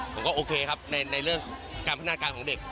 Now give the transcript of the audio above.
ผมก็โอเคครับในเรื่องการพัฒนาการของเด็ก